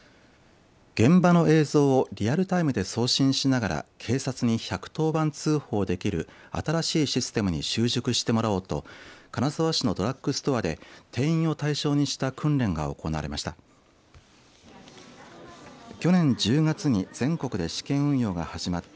現場の映像をリアルタイムで送信しながら警察に１１０番通報できる新しいシステムに習熟してもらおうと金沢市のドラッグストアで店員を対象にした訓練が行われました。